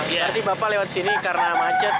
berarti bapak lewat sini karena macet